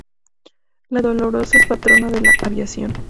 La Dolorosa es patrona de la aviación